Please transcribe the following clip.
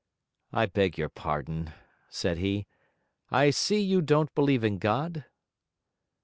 'I beg your pardon,' said he; 'I see you don't believe in God?'